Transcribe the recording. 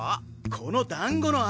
このだんごの味！